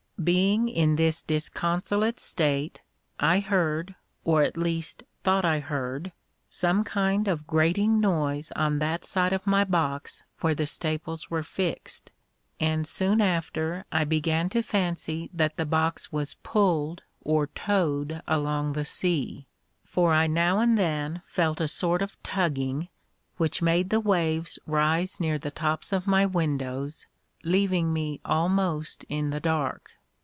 Being in this disconsolate state, I heard, or at least thought I heard, some kind of grating noise on that side of my box where the staples were fixed; and soon after I began to fancy that the box was pulled or towed along the sea; for I now and then felt a sort of tugging, which made the waves rise near the tops of my windows, leaving me almost in the dark.